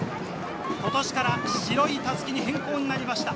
今年から白い襷に変更になりました。